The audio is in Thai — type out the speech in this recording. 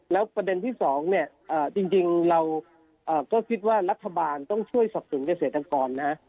แล้วประเด็นที่๒เนี่ยจริงเราก็คิดว่ารัฐบาลต้องช่วยสับสนเกษตรกรนะฮะ